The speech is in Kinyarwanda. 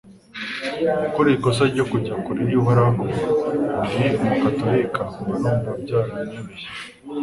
gukora ikosa ryo kujya kure y'uhoraho ndi umu catholique mba numva byaranyobeye